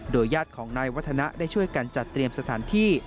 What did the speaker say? ญาติของนายวัฒนะได้ช่วยกันจัดเตรียมสถานที่